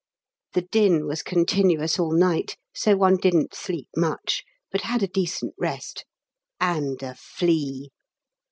The din was continuous all night, so one didn't sleep much, but had a decent rest (and a flea).